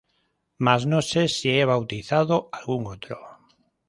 mas no sé si he bautizado algún otro.